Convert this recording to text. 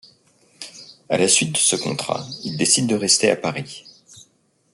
À la suite de ce contrat, il décide de rester à Paris.